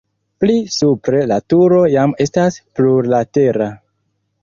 Pli supre la turo jam estas plurlatera.